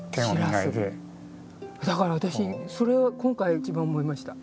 だから私それを今回一番思いました。